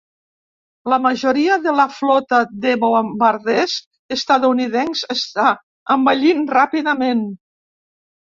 La majoria de la flota de bombarders estatunidencs està envellint ràpidament.